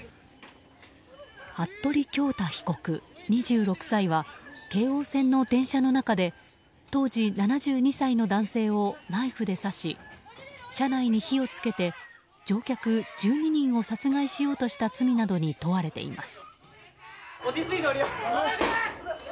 服部恭太被告、２６歳は京王線の電車の中で当時７２歳の男性をナイフで刺し、車内に火を付けて乗客１２人を殺害しようとした罪などに問われています。